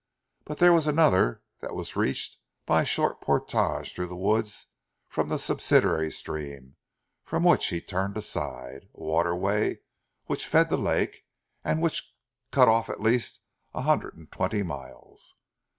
But there was another that was reached by a short portage through the woods from the subsidiary stream from which he turned aside, a waterway which fed the lake, and which cut off at least a hundred and twenty miles.